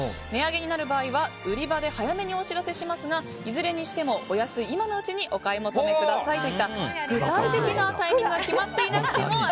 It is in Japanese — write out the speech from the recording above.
値上げになる場合は売り場で早めにお知らせしますがいずれにしてもお安い今のうちにお買い求めくださいといった具体的なタイミングが決まっていなくても